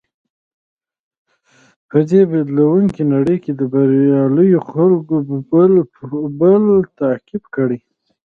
په دې بدليدونکې نړۍ کې د برياليو خلکو پل تعقيب کړئ.